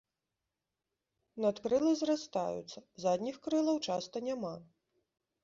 Надкрылы зрастаюцца, задніх крылаў часта няма.